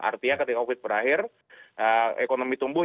artinya ketika covid berakhir ekonomi tumbuh